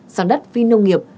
sáng đất phi nông nghiệp